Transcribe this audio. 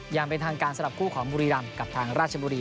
อย่างเป็นทางการสำหรับคู่ของบุรีรำกับทางราชบุรี